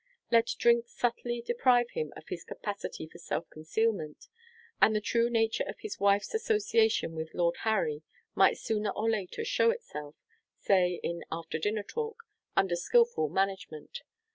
Let drink subtly deprive him of his capacity for self concealment! and the true nature of his wife's association with Lord Harry might sooner or later show itself say, in after dinner talk, under skilful management.